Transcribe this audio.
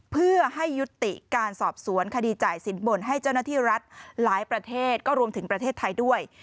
เพื่อให้ยุติการสอบสวนคดีจ่ายสินบนให้เจ้าหน้าที่รัฐหลายประเทศก็รวมถึงประเทศไทยด้วย